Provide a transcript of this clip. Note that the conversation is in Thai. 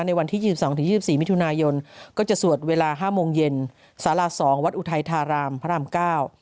ในวันที่๒๒๒๔มิถุนายนก็จะสวดเวลา๕โมงเย็นสารสองวัดอุทัยทารามพระอำเก้า